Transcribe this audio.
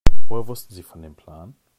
Woher wussten Sie von dem Plan?